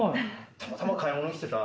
たまたま買い物に来てた。